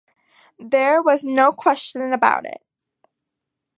There was no question about it.